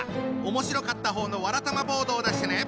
面白かった方のわらたまボードを出してね。